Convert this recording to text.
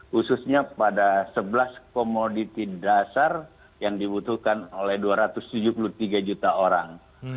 khususnya pada sebelas komoditi dasar yang dibutuhkan oleh dua ratus tujuh puluh tiga juta orang